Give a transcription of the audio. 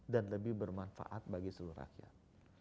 dan lebih bermanfaat bagi seluruh rakyat